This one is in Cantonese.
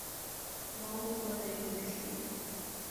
我冇對你唔住